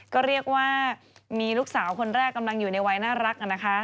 ก็เรียกว่ามีลูกสาวคนแรกกำลังอยู่ในวัยน่ารักนะคะ